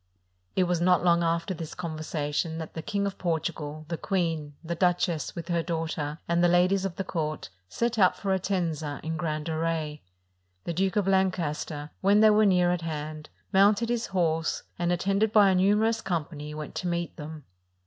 It was not long after this conversation that the King of Portugal, the queen, the duchess, with her daughter, and the ladies of the court, set out for Entenga in grand array. The Duke of Lancaster, when they were near at hand, mounted his horse; and, attended by a numer ous company, went to meet them.